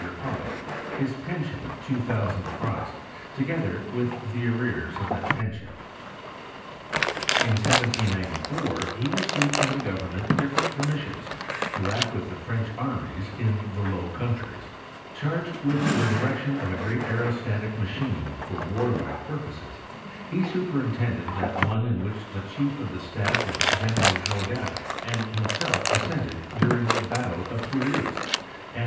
republic, his pension of two thousand francs, toge ther with the arrears of that pension. > In 1794 he received from government different^ PROGRESS or CHEMISTRY IM FRANCE. 187 commissions to act with the French armies in the Low Countries. Charged with the direction of a great aerostatic machine for warlike purposes, he superintended that one in which the chief of the staff of General Jourdan and himself ascended during the battle of Fleurus, and whi.